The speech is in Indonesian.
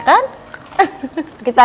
nanti aku dikejar ya